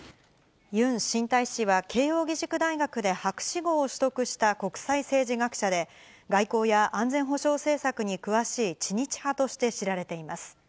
ユン新大使は、慶応義塾大学で博士号を取得した国際政治学者で、外交や安全保障政策に詳しい知日派として知られています。